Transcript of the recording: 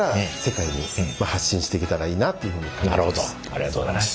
ありがとうございます。